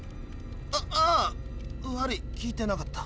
あああ悪い聞いてなかった。